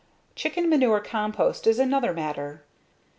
Chicken manure compost is another matter.